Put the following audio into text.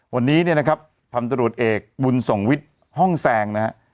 วันนี้เนี่ยนะครับพันตรวจเอกบุญส่งวิทย์ห้องแซงนะฮะ